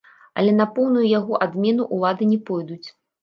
Але на поўную яго адмену ўлады не пойдуць?